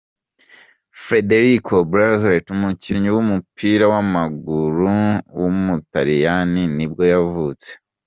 Federico Balzaretti, umukinnyi w’umupira w’amaguru w’umutaliyani nibwo yavutse.